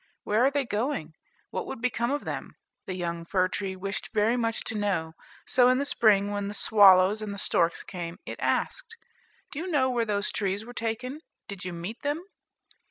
"Where were they going? What would become of them?" The young fir tree wished very much to know; so in the spring, when the swallows and the storks came, it asked, "Do you know where those trees were taken? Did you meet them?"